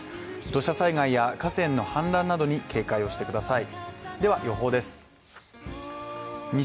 土砂災害や河川の氾濫などに警戒をしてください。